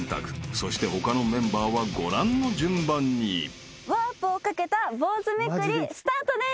そして他のメンバーはご覧の順番に］ワープを懸けた坊主めくりスタートです。